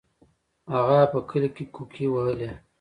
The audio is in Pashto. هغه په کلي کې کوکې وهلې.